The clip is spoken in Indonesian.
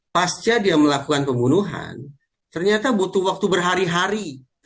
pasca dia melakukan pembunuhan ternyata butuh waktu berhari hari